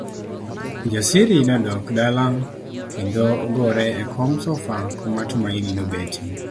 Kijasiri nodok dala kendo ogore e kom sofa kuma Tumaini nobete.